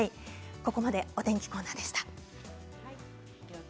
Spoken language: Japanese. ここまでお天気コーナーでした。